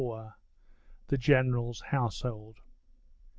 THE GENERAL'S HOUSEHOLD.